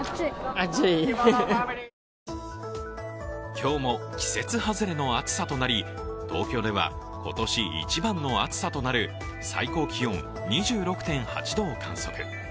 今日も季節外れの暑さとなり、東京では今年一番の暑さとなる最高気温２６．８度を観測。